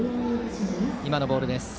今のボールです。